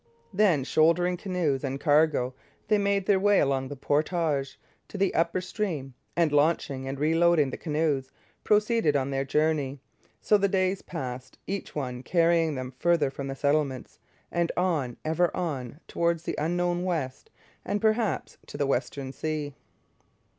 Then, shouldering canoes and cargo, they made their way along the portage to the upper stream, and, launching and reloading the canoes, proceeded on their journey. So the days passed, each one carrying them farther from the settlements and on, ever on, towards the unknown West, and perhaps to the Western Sea.